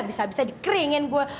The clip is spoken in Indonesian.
bisa bisa dikeringin gue